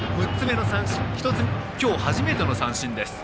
今日初めての三振です。